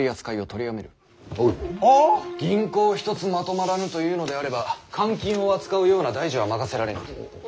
銀行一つまとまらぬというのであれば官金を扱うような大事は任せられぬ。